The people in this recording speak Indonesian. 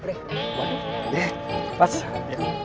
tidak ada pegang